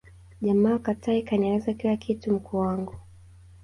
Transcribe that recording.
jamal Katai kanieleza kila kitu mkuu wangu